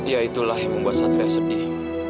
ya itulah yang membuat satria sedih